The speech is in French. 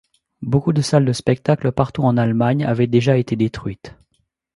Beaucoup de salles de spectacle partout en Allemagne avaient déjà été détruites.